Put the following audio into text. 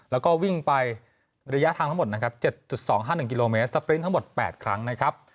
แล้วก็วิ่งไประยะทางทั้งหมดนะครับ๗๒๕๑กิโลเมตรสปริ้นต์ทั้งหมด๘ครั้งนะครับ